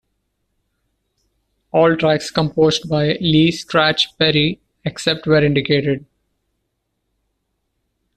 All tracks composed by Lee "Scratch" Perry, except where indicated.